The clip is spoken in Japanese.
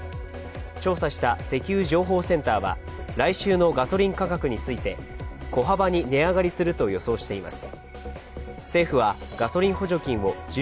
調査した石油情報センターは来週のガソリン価格について小幅に値上がりすると予想しています。